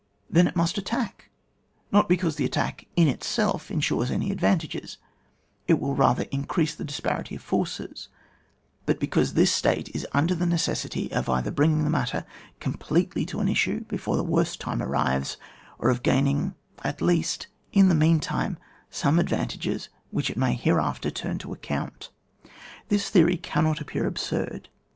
Then it must attack, not because the attack in itself ensures any advantages — ^it will rather increase the disparity offerees — but because this State is under the necessity of either bring ing the matter completely to an issue before the worst time arrives, or of gain ing, at least, in the mean time, some ad vantages which it may hereafter turn to account. This theoiy cannot appear absurd.